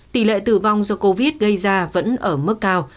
tỷ lệ tử vong do covid gây ra vẫn ở mức cao